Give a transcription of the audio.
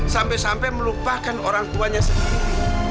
sampai sampai melupakan orang tuanya sendiri